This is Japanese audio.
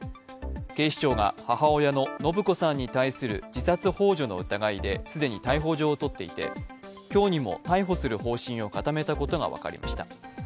警視庁が母親の延子さんに対する自殺ほう助の疑いで既に逮捕状を取っていて今日にも逮捕する方針を固めたことが分かりました。